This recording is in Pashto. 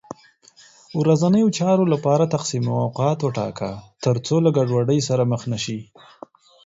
ورځنیو چارو لپاره تقسیم اوقات وټاکه، تر څو له ګډوډۍ سره مخ نه شې